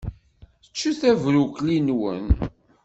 Ččet abrukli-nwen!